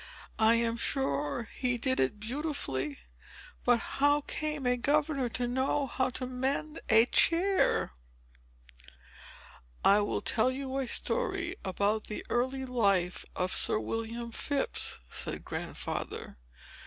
I am sure, he did it beautifully! But how came a governor to know how to mend a chair?" "I will tell you a story about the early life of Sir William Phips," said Grandfather.